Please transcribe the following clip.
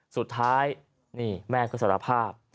สุดท้ายนี่แม่ก็สารภาพ